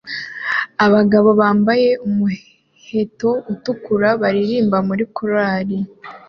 Abagabo bambaye umuheto utukura baririmba muri korari